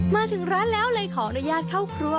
มาถึงร้านแล้วเลยขออนุญาตเข้าครัว